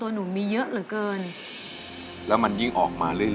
หุคติร์